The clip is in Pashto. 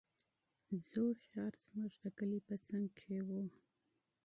زوړ ښار زموږ د کلي په څنگ کښې و.